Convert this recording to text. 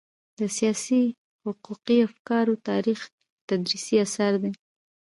د سياسي او حقوقي افکارو تاریخ تدريسي اثر دی.